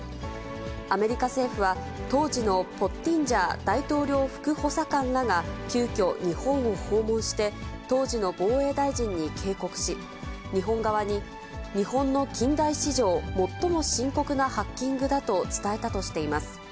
アメリカ政府は、当時のポッティンジャー大統領副補佐官らが急きょ、日本を訪問して、当時の防衛大臣に警告し、日本側に日本の近代史上、最も深刻なハッキングだと伝えたとしています。